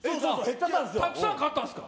たくさん買ったんですか？